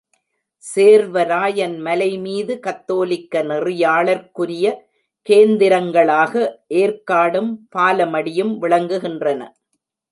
சேர்வராயன் மலைமீது கத்தோலிக்க நெறியாளர்க்குரிய கேந்திரங்களாக ஏர்க்காடும், பாலமடியும் விளங்குகின்றன.